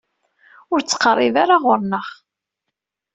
Ur d-ttqerrib ara ɣer-neɣ.